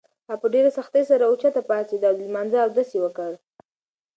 هغه په ډېرې سختۍ سره اوچته پاڅېده او د لمانځه اودس یې وکړ.